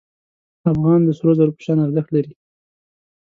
افغان د سرو زرو په شان ارزښت لري.